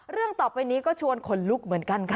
ต่อไปนี้ก็ชวนขนลุกเหมือนกันค่ะ